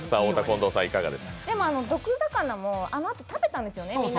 毒魚もあのあとみんなで食べたんですよね。